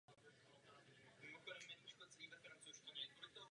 Mám pro každého z vás sdělení.